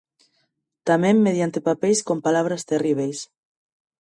Tamén mediante papeis con palabras terríbeis.